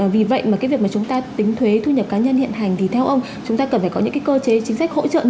vì vậy mà cái việc mà chúng ta tính thuế thu nhập cá nhân hiện hành thì theo ông chúng ta cần phải có những cái cơ chế chính sách hỗ trợ